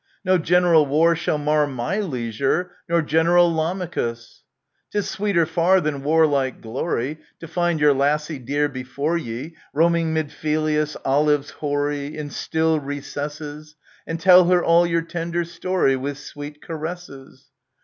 No general war shall mar my leisure ;— Nor General Lamachus !| 'Tis sweeter far than warlike glory To find your lassie dear before ye, Roaming 'mid Phelleus , olives hoary, In still recesses, And tell her all your tender story, With sweet caresses.